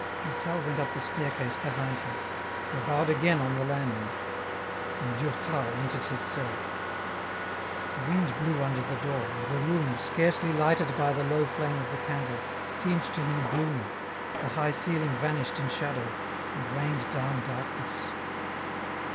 Durtal went up the staircase behind him. They bowed again on the landing, and Durtal entered his cell. The wind blew under the door, and the room, scarcely lighted by the low flame of the candle, seemed to him gloomy, the high ceiling vanished in shadow, and rained down darkness.